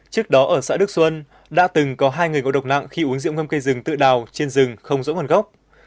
trước đó ở xã đức xuân đã từng có hai người ngộ độc nặng khi uống rượu ngâm cây rừng tự đào trên rừng không rõ nguồn gốc